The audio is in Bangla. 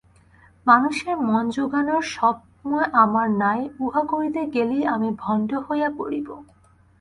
মানুষের মন যোগানর সময় আমার নাই, উহা করিতে গেলেই আমি ভণ্ড হইয়া পড়িব।